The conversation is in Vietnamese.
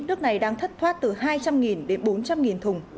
nước này đang thất thoát từ hai trăm linh đến bốn trăm linh thùng